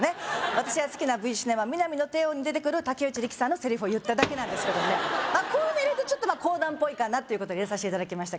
私が好きなＶシネマ「ミナミの帝王」に出てくる竹内力さんのセリフを言っただけなんですけどねちょっと講談っぽいかなということで入れさせていただきました